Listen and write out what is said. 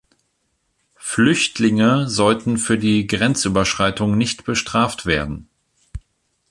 Flüchtlinge sollten für die Grenzüberschreitung nicht bestraft werden.